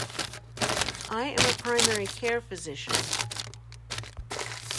I am a primary care physician.